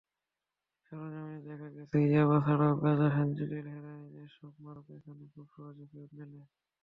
সরেজমিনে দেখা গেছে, ইয়াবা ছাড়াও গাঁজা, ফেনসিডিল, হেরোইন—এসব মাদক এখানে খুব সহজেই মেলে।